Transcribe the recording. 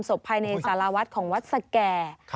ศพภายในสารวัฒน์ของวัดสแก่